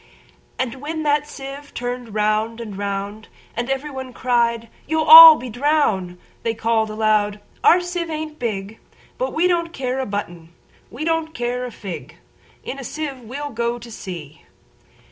And when the sieve turn'd round and round, And every one cried, "You 'll be drown'd!"They call'd aloud, "Our sieve ain't big:But we don't care a button; we don't care a fig:In a sieve we 'll go to sea!"